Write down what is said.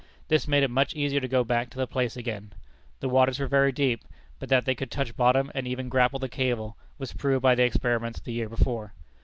This made it much easier to go back to the place again. The waters were very deep, but that they could touch bottom, and even grapple the cable, was proved by the experiments of the year before.